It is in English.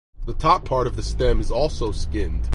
The top part of the stem is also skinned.